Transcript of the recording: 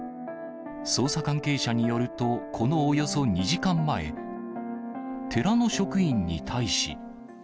捜査関係者によると、このおよそ２時間前、寺の職員に対し。